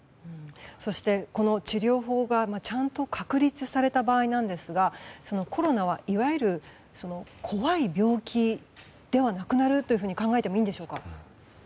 そして、この治療法がちゃんと確立された場合ですがそのコロナは、いわゆる怖い病気ではなくなると考えてもいいんでしょうか？